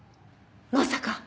まさか！